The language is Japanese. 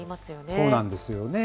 そうなんですよね。